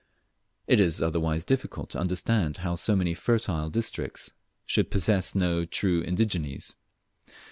It is otherwise difficult to understand how so many fertile districts should possess no true indigenes.